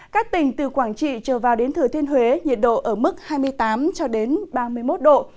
các tỉnh từ quảng trị trở vào đến thừa thiên huế nhiệt độ ở mức hai mươi tám ba mươi một độ